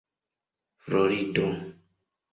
florido